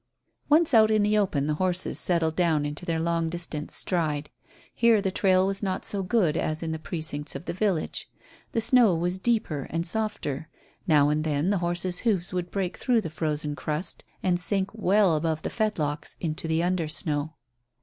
Once out in the open, the horses settled down into their long distance stride. Here the trail was not so good as in the precincts of the village. The snow was deeper and softer. Now and then the horses' hoofs would break through the frozen crust and sink well above the fetlocks into the under snow.